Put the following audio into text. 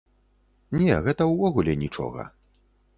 Не, гэта ўвогуле нічога.